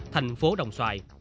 thành phố đồng xoài